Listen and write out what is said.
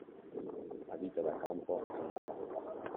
La vita da campo è una palla.